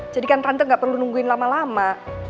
kan tante gak perlu nungguin lama lama